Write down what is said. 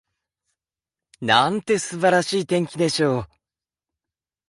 なんて素晴らしい天気でしょう！